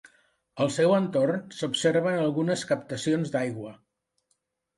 Al seu entorn s'observen algunes captacions d'aigua.